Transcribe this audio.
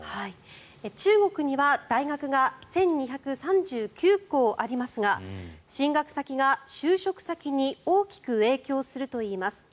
中国には大学が１２３９校ありますが進学先が就職先に大きく影響するといいます。